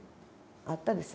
あったです。